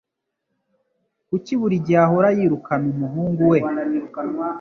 Kuki buri gihe ahora yirukana umuhungu we?